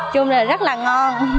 chung là rất là ngon